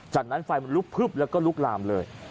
จากนั้นไฟมันลุกพึบแล้วก็ลุกลามเลย